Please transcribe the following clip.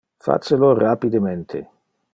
Face lo rapidemente.